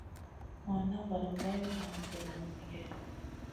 Morna valam Mey vanti nanigue.